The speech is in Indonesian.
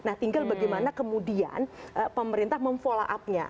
nah tinggal bagaimana kemudian pemerintah memfollow up nya